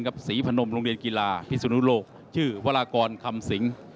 ศรีพนมโรงเรียนกีฬาพิสุนุโลกชื่อวรากรคำสิง